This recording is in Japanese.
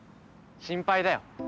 心配だよ。